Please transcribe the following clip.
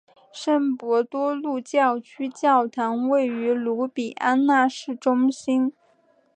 圣伯多禄教区教堂位于卢比安纳市中心。